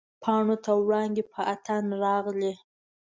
پاڼو ته وړانګې په اتڼ راغلي